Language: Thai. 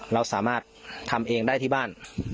เราสามารถทำเองได้ที่บ้าน